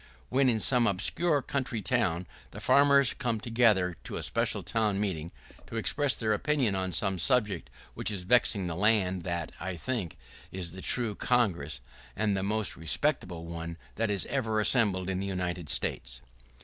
When, in some obscure country town, the farmers come together to a special town meeting, to express their opinion on some subject which is vexing the land, that, I think, is the true Congress, and the most respectable one that is ever assembled in the United States.